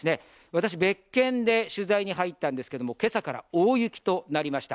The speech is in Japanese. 私、別件で取材に入ったんですが、今朝から大雪となりました。